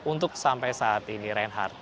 untuk sampai saat ini reinhardt